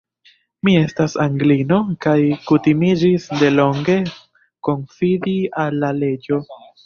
Mi estas Anglino, kaj kutimiĝis de longe konfidi al la leĝo.